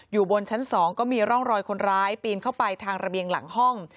อยู่บนชั้น๒ก็มีร่องรอยคนร้ายปีนเข้าไปทางระเบียงหลังห้อง